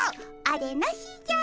あれなしじゃ。